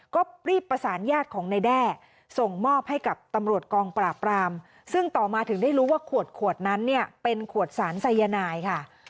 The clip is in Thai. ก็รีบประสานญาติของนายแด้ส่งมอบให้กับตำรวจกองปราบรามซึ่งต่อมาถึงได้รู้ว่าขวดขวดนั้นเนี่ยเป็นขวดสารสายนายค่ะ